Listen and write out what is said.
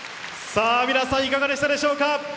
さあ、皆さん、いかがでしたでしょうか。